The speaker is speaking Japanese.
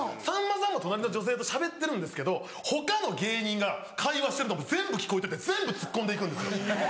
さんまさんも隣の女性としゃべってるんですけど他の芸人が会話してるのも全部聞こえてて全部ツッコんで行くんですよ。